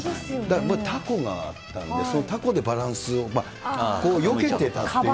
だからタコがあったんで、そのタコでバランスを、よけてたっていう。